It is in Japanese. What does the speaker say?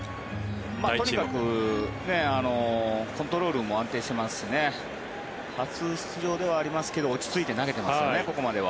とにかくコントロールも安定していますし初出場ではありますけどここまでは落ち着いて投げてますよね。